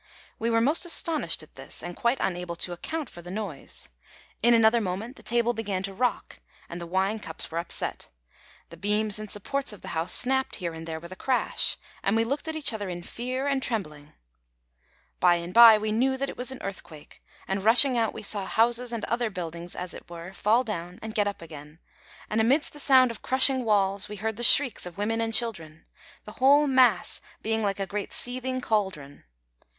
We were much astonished at this, and quite unable to account for the noise; in another moment the table began to rock, and the wine cups were upset; the beams and supports of the house snapped here and there with a crash, and we looked at each other in fear and trembling. By and by we knew that it was an earthquake; and, rushing out, we saw houses and other buildings, as it were, fall down and get up again; and, amidst the sounds of crushing walls, we heard the shrieks of women and children, the whole mass being like a great seething cauldron.